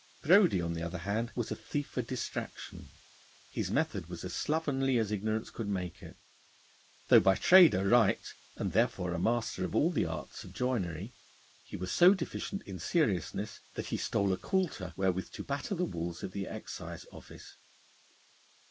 Brodie, on the other hand, was a thief for distraction. His method was as slovenly as ignorance could make it. Though by trade a wright, and therefore a master of all the arts of joinery, he was so deficient in seriousness that he stole a coulter wherewith to batter the walls of the Excise Office.